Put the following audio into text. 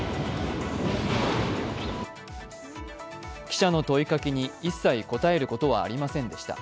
記者の問いかけに一切答えることはありませんでした。